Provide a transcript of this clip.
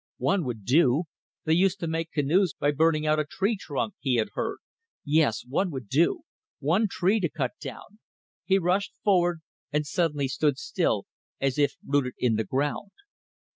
One would do. They used to make canoes by burning out a tree trunk, he had heard. Yes! One would do. One tree to cut down ... He rushed forward, and suddenly stood still as if rooted in the ground.